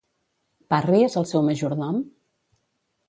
Parry és el seu majordom?